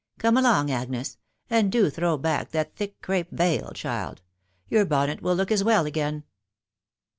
Come along, Agnes .... and do throw back that thick crape veil, child. Your bonnet will look as well again